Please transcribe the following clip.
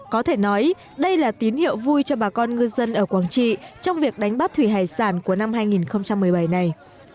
có thể nói đây là tín hiệu vui cho bà con ngư dân ở quảng trị trong việc đánh bắt thủy hải sản của năm hai nghìn một mươi bảy này